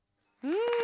うん。